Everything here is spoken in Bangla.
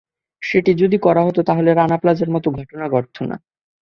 সেটি যদি করা হতো, তাহলে রানা প্লাজার মতো ঘটনা ঘটত না।